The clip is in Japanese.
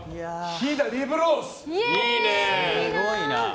飛騨リブロース！